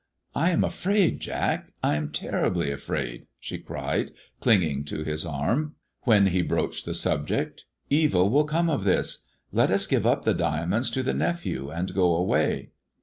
" I am afraid, Jack ! I am terribly afraid," shie cried, clinging to his arm, when he broached the subject, " evil willcome of this. Let us give up the diamonds to the nephew, and go away."